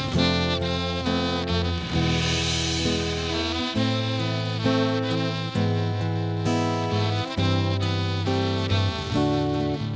sampai jumpa lagi